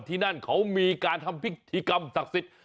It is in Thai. ที่นั่นเขามีการทำพิธีกรรมศักดิ์สิทธิ์